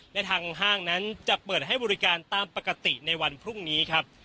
และทางห้างนั้นจะเปิดให้บริการตามปกติในวันพรุ่งนี้ครับ